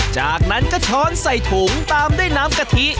จากนั้นก็ช้อนใส่ถุงตามด้วยน้ำกะทิ